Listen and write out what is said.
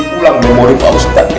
pulang memori pak ustadz